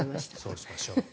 そうしましょう。